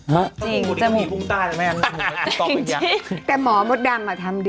ฟูเวอร์อ่ะ